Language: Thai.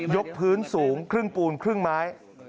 พื้นสูงครึ่งปูนครึ่งไม้